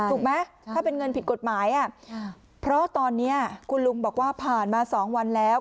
ถูกไหมถ้าเป็นเงินผิดกฎหมายเพราะตอนนี้คุณลุงบอกว่าผ่านมา๒วันแล้ว